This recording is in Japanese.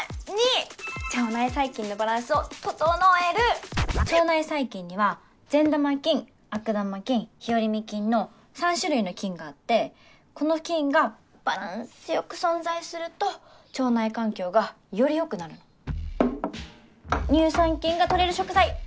腸内細菌のバランスを整える腸内細菌には善玉菌悪玉菌日和見菌の３種類の菌があってこの菌がバランスよく存在すると腸内環境がよりよくなるの乳酸菌が取れる食材